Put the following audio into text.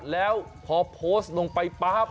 แล้วพอโพสต์ลงไปปั๊บ